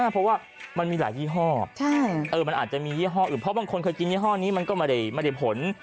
เพราะว่ามันมีหลายยี่ห้อมันอาจจะมียี่ห้ออื่นเพราะบางคนเคยกินยี่ห้อนี้มันก็ไม่ได้ผล